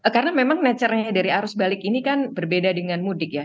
karena memang nature nya dari arus balik ini kan berbeda dengan mudik ya